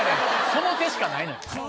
その手しかないのよ。